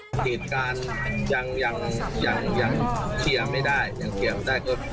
คุณเราดูด้วยค่ะดนตรีดังแน่โน่น